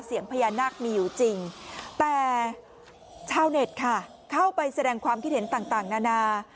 เสียงพญานาคมีอยู่จริงแต่ชาวเน็ตค่ะเข้าไปแสดงความคิดเห็นต่างนานา